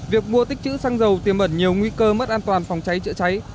việc mua tích chữ xăng dầu tiêm ẩn nhiều nguy cơ mất an toàn phòng cháy chữa cháy